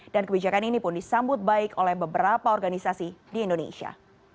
dan kebijakan ini pun disambut baik oleh beberapa organisasi di indonesia